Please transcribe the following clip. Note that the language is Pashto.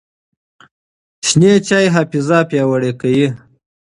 شین چای حافظه پیاوړې کوي.